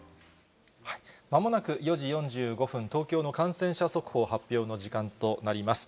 まもなく４時４５分、東京の感染者速報発表の時間となります。